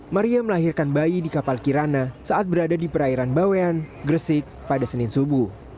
maria melahirkan bayi di kapal kirana saat berada di perairan bawean gresik pada senin subuh